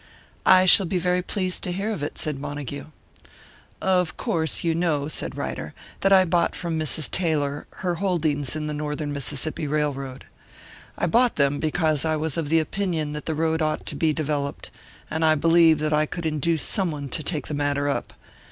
"I shall be very pleased to hear of it," said Montague. "Of course, you know," said Ryder, "that I bought from Mrs. Taylor her holdings in the Northern Mississippi Railroad. I bought them because I was of the opinion that the road ought to be developed, and I believed that I could induce someone to take the matter up.